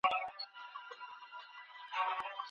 که تضادونه ختم نه سي نو سوله منځته نه راځي.